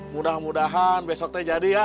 mudah mudahan besoknya jadi ya